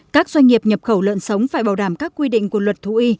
các doanh nghiệp nhập khẩu lợn sống phải bảo đảm các quy định của luật thú y